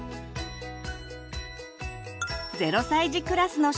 ０歳児クラスの食事。